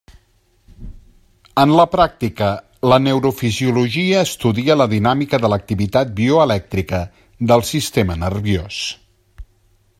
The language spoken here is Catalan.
En la pràctica la neurofisiologia estudia la dinàmica de l'activitat bioelèctrica del sistema nerviós.